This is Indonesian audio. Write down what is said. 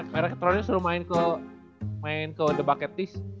merek tronnya suruh main ke the bucket this